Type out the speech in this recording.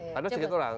padahal sedikit orang